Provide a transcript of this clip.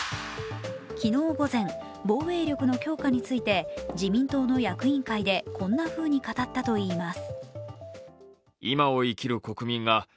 昨日午前、防衛力の強化について自民党の役員会でこんなふうに語ったといいます。